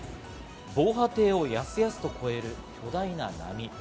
防波堤をやすやすと越える巨大な波。